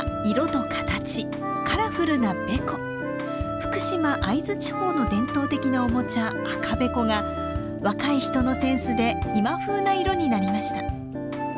福島会津地方の伝統的なおもちゃ赤べこが若い人のセンスで今風な色になりました。